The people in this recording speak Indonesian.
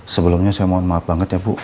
sebelumnya saya mohon maaf banget ya bu